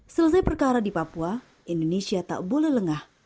selesai perkara di papua indonesia tak boleh lengah